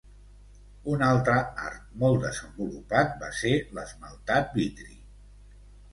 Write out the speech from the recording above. Un altre art molt desenvolupat va ser l'esmaltat vitri.